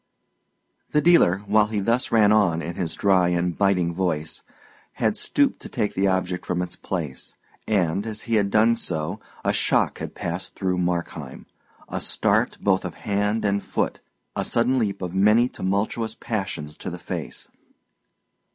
The dealer, while he thus ran on in his dry and biting voice, had stooped to take the object from its place; and, as he had done so, a shock had passed through Markheim, a start both of hand and foot, a sudden leap of many tumultuous passions to the face.